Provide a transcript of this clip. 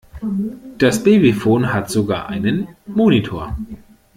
Das Babyphone hat sogar einen Monitor.